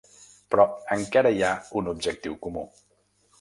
Però encara hi ha un objectiu comú.